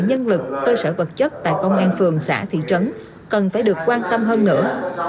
nhân lực cơ sở vật chất tại công an phường xã thị trấn cần phải được quan tâm hơn nữa